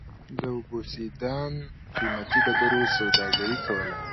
د اوبسیدیان قېمتي ډبرو سوداګري کوله.